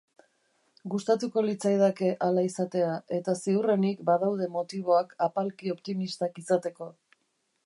Gustatuko litzaidake hala izatea, eta ziurrenik badaude motiboak apalki optimistak izateko.